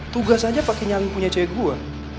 tugas aja pake nyali punya cewek gua